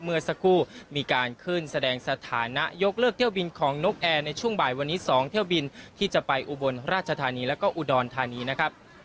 เมื่อสักครู่มีการขึ้นแสดงสถานะยกเลิกเที่ยวบินของนกแอร์ในช่วงบ่ายวันนี้๒เที่ยวบินที่จะไปอุบลราชธานีแล้วก็อุดรธานีนะครับ